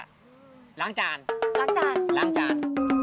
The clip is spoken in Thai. ล้างจานล้างจานล้างจานล้างจาน